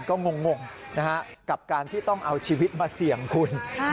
ก็งงกับการที่ต้องเอาชีวิตมาเสี่ยงคุณ